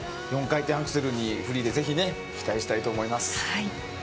４回転アクセルにフリーにぜひ期待したいと思います。